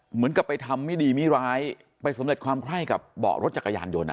เหมือนกับไปทำไม่ดีไม่ร้ายไปสำเร็จความไคร้กับเบาะรถจักรยานยนต์